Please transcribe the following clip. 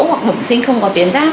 hoặc bẩm sinh không có tuyến giáp